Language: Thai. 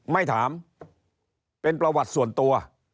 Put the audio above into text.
ไม่ถามเป็นประวัติส่วนตัว